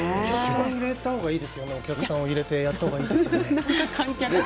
お客さんを入れてやった方がいいですよね。